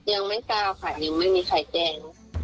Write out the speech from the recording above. ยังไม่กล้าค่ะยังไม่มีใครแจ้ง